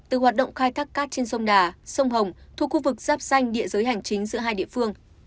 từ hoạt động khai thác cát trên sông đà sông hồng thuộc khu vực giáp xanh địa giới hành chính giữa hai địa phương